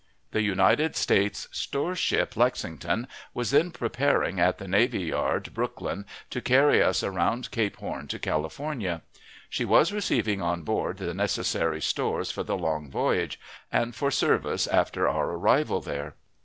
The United States store ship Lexington was then preparing at the Navy Yard, Brooklyn, to carry us around Cape Horn to California. She was receiving on board the necessary stores for the long voyage, and for service after our arrival there.